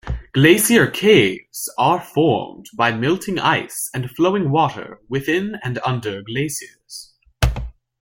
Glacier caves are formed by melting ice and flowing water within and under glaciers.